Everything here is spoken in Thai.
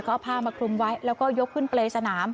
เขาเอาผ้ามาคลุมไว้แล้วก็ยกขึ้นเปรย์สนาม